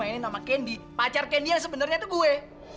gendy mainin sama gendy pacar gendy yang sebenarnya tuh gue